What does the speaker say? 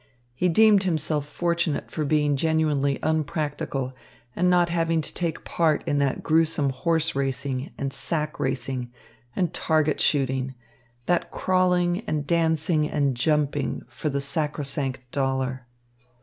He deemed himself fortunate for being genuinely unpractical and not having to take part in that gruesome horse racing and sack racing and target shooting, that crawling and dancing and jumping for the sacrosanct dollar.